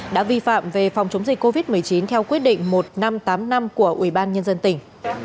đã vi phạm về phòng chống dịch covid một mươi chín theo quyết định một nghìn năm trăm tám mươi năm của ủy ban nhân dân tỉnh